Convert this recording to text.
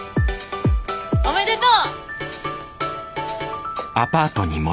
おめでとう！